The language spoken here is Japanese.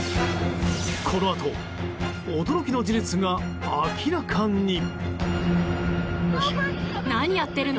このあと驚きの事実が明らかに。